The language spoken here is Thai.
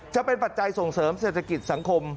ปัจจัยส่งเสริมเศรษฐกิจสังคม